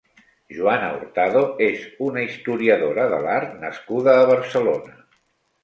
Joana Hurtado és una historiadora de l'art nascuda a Barcelona.